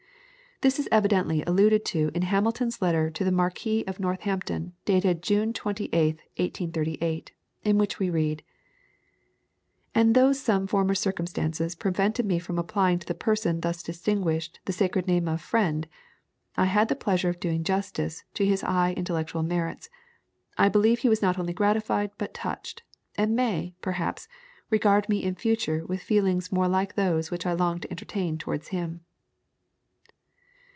This is evidently alluded to in Hamilton's letter to the Marquis of Northampton, dated June 28th, 1838, in which we read: "And though some former circumstances prevented me from applying to the person thus distinguished the sacred name of FRIEND, I had the pleasure of doing justice...to his high intellectual merits... I believe he was not only gratified but touched, and may, perhaps, regard me in future with feelings more like those which I long to entertain towards him."